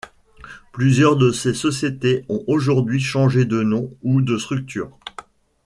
Plusieurs de ces sociétés ont aujourd'hui changé de nom ou de structure.